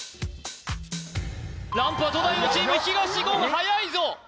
ランプは東大王チーム東言はやいぞえっ？